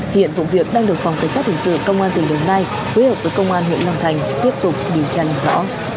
hiện vụ việc đang được phòng cảnh sát hình sự công an tỉnh đồng nai phối hợp với công an huyện long thành tiếp tục điều tra làm rõ